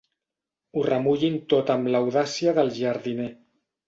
Ho remullin tot amb l'audàcia del jardiner.